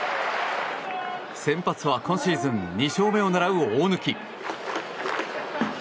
先発は今シーズン２勝目を狙う大貫。